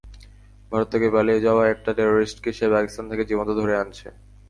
ভারত থেকে পালিয়ে যাওয়া একটা টেরোরিস্টকে, সে পাকিস্তান থেকে জীবন্ত ধরে আনছে।